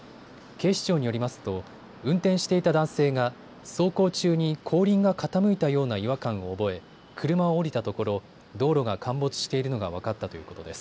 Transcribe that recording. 警視庁によりますと運転していた男性が走行中に後輪が傾いたような違和感を覚え車を降りたところ、道路が陥没しているのが分かったということです。